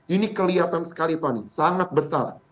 ini kelihatan sekali fani sangat besar